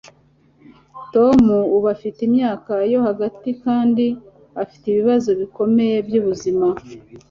Tom ubu afite imyaka yo hagati kandi afite ibibazo bikomeye byubuzima.